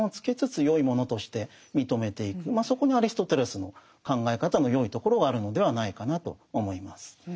そこにアリストテレスの考え方のよいところがあるのではないかなと思います。